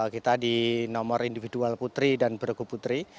kita di nomor individual putri dan beregu putri